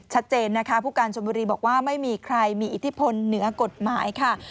ชัดเจนนะคะผู้การชนบุรีบอกว่าไม่มีใครมีอิทธิพลเหนือกฎหมายค่ะ